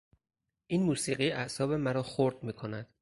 این موسیقی اعصاب مرا خرد میکند.